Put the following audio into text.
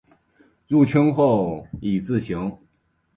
入清后以字行。